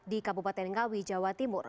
di kabupaten ngawi jawa timur